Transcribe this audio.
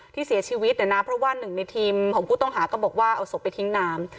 ที่เสียชีวิตเนี่ยนะเพราะว่าหนึ่งในทีมของผู้ต้องหาก็บอกว่าเอาศพไปทิ้งน้ำ